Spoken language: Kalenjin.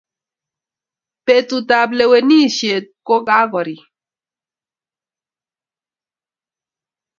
Betut ab Lewenishet ko kakoriik